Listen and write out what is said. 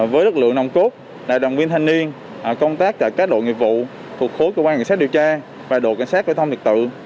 với lực lượng nông cốt đại đoàn viên thanh niên công tác tại các đội nghiệp vụ thuộc khối cơ quan kiểm soát điều tra và đội kiểm soát vệ thông liệt tự